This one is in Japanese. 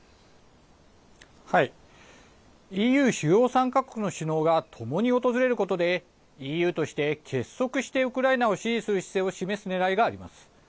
ＥＵ主要３か国の首脳がともに訪れることでＥＵとして結束してウクライナを支持する姿勢を示すねらいがあります。